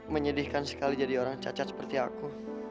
menyedihkan sekali jadi orang cacat seperti aku